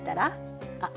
あっ